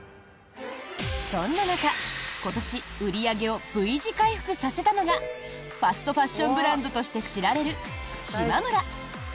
そんな中、今年売り上げをＶ字回復させたのがファストファッションブランドとして知られる、しまむら。